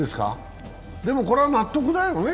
でもこれは納得だよね。